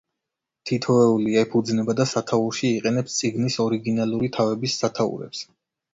თითოეული ეფუძნება და სათაურში იყენებს წიგნის ორიგინალური თავების სათაურებს.